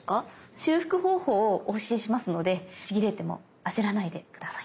修復方法をお教えしますのでちぎれても焦らないで下さい。